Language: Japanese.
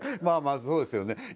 まあまあそうですよね。